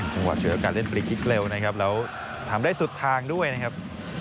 จังหวะฉวยโอกาสเล่นฟรีคลิกเร็วนะครับแล้วทำได้สุดทางด้วยนะครับ